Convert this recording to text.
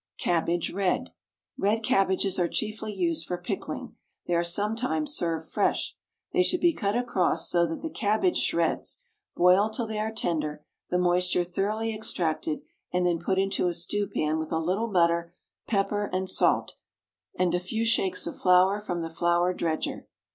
CABBAGE, RED. Red cabbages are chiefly used for pickling. They are sometimes served fresh. They should be cut across so that the cabbage shreds, boiled till they are tender, the moisture thoroughly extracted, and then put into a stew pan with a little butter, pepper, and salt, and a few shakes of flour from the flour dredger.